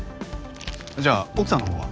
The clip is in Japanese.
じゃあ奥さんの方は？